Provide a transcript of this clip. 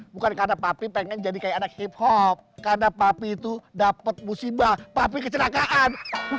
bukan karena tapi pengen jadi kayak hiphop karena tapi itu dapet musimah tapi kecelakaan